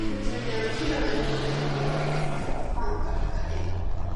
Madhubala went to the hospital to see him but Ashok scolded her.